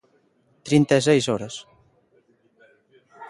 ¡Trinta e seis horas!